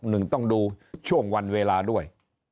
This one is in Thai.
หนึ่งต้องดูช่วงวันเวลาด้วย